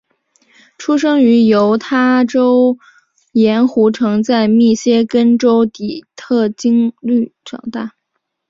出生于犹他州盐湖城在密歇根州底特律长大。